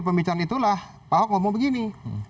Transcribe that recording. pembicaraan itulah pak ahok ngomong begini